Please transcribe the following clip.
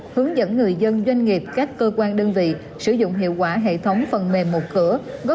hướng dẫn người dân doanh nghiệp các cơ quan đơn vị sử dụng hiệu quả hệ thống phần mềm một cửa